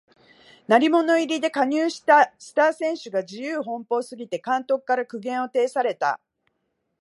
鳴り物入りで加入したスター選手が自由奔放すぎて監督から苦言を呈された